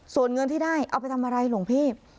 ส่วนเงินที่ได้เอาไปทำอะไรหลวงพี่